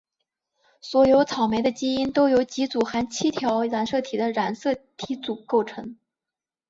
所有草莓的基因都由几组含七条染色体的染色体组构成。